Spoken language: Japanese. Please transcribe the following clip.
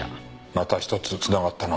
また１つ繋がったな。